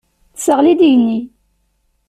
Tesseɣli-d igenni.